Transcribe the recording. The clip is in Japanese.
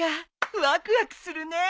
ワクワクするね！